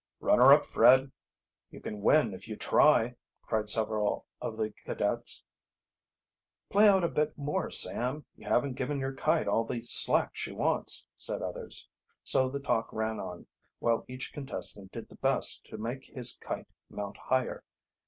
"Run her up, Fred! You can win if you try!" cried several of the cadets. "Play out a bit more, Sam; you haven't given your kite all the slack she wants," said others. So the talk ran on, while each contestant did the best to make his kite mount higher.